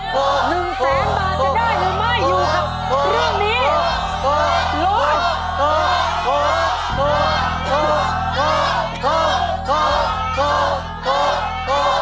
หนึ่งแสนบาทจะได้หรือไม่อยู่กับเรื่องนี้